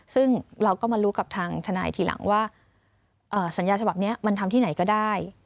ซึ่งเราก็มารู้กับทางทนายทีหลังว่าสัญญาฉบับนี้มันทำที่ไหนก็ได้